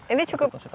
ini cukup efektif pak